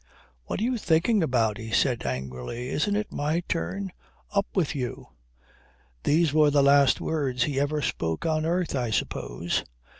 "What are you thinking about," he says angrily. "It isn't my turn. Up with you." These were the last words he ever spoke on earth I suppose.